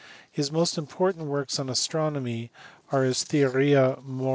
His most important works on astronomy are his Theoria EULER.